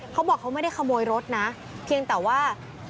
เขาบอกเขาไม่ได้ขโมยรถนะเพียงแต่ว่า